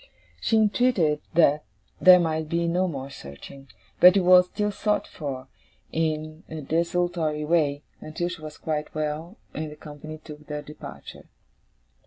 She entreated that there might be no more searching; but it was still sought for, in a desultory way, until she was quite well, and the company took their departure.